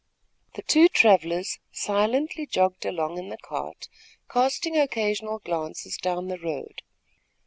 The two travellers silently jogged along in the cart, casting occasional glances down the road.